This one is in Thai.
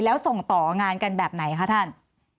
แล้วส่งต่องานกันแบบไหนคะท่าน